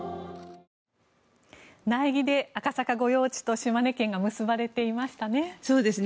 苗木で赤坂御用地と島根県が結ばれていましたね。